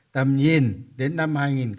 tầm nhìn đến năm hai nghìn bốn mươi năm